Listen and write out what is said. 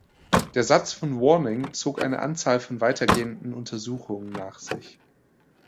Der Satz von Warning zog eine Anzahl von weitergehenden Untersuchungen nach sich.